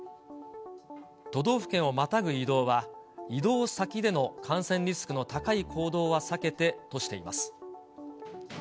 都道府県をまたぐ移動は、移動先での感染リスクの高い行動は避けてとしています。